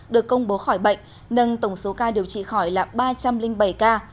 được công bố khỏi bệnh nâng tổng số ca điều trị khỏi là ba trăm linh bảy ca